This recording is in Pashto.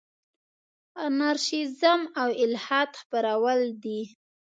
انارشیزم او الحاد خپرول دي.